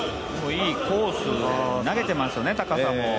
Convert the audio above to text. いいコースに投げてますよね、高さも。